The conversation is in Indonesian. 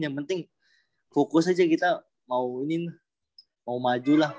yang penting fokus aja kita mau maju lah